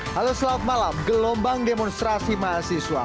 halo selamat malam gelombang demonstrasi mahasiswa